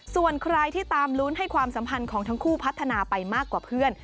ส่วนใครที่ตามลุ้นให้ความสัมพันธ์ของทั้งคู่พัฒนาไปมากกว่าเพื่อน